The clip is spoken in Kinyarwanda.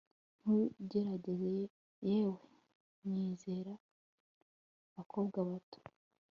ntugerageze, yewe! nyizera, bakobwa bato